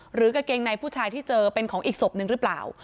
กางเกงในผู้ชายที่เจอเป็นของอีกศพหนึ่งหรือเปล่า